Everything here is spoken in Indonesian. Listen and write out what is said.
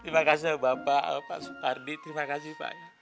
terima kasih bapak pak soepardi terima kasih banyak